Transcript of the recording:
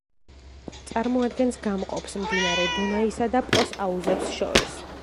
წარმოადგენს გამყოფს მდინარე დუნაისა და პოს აუზებს შორის.